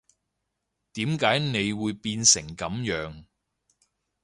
點解你會變成噉樣